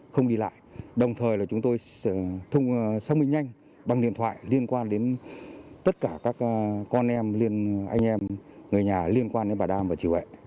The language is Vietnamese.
không đi lại đồng thời là chúng tôi xác minh nhanh bằng điện thoại liên quan đến tất cả các con em liên anh em người nhà liên quan đến bà đàm và chị huệ